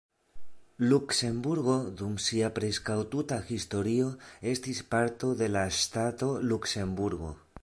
Luksemburgo dum sia preskaŭ tuta historio estis parto de la ŝtato Luksemburgo.